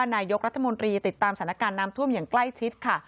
นายกรัฐมนตรีติดตามสถานการณ์น้ำท่วมอย่างใกล้ชิดค่ะ